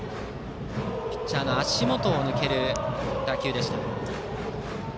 ピッチャーの足元を抜ける打球でした。